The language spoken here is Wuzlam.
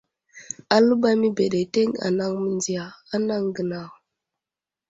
Aləɓay məbeɗeteŋ anaŋ mendiya anaŋ gənaw.